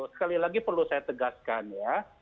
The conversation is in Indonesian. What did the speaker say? sekali lagi perlu saya tegaskan ya